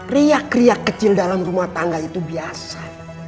riak riak kecil dalam rumah tangga itu biasa